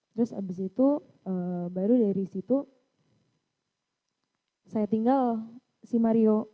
terus abis itu baru dari situ saya tinggal si mario